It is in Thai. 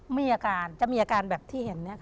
มีอาการจะมีอาการแบบที่เห็นเนี่ยค่ะ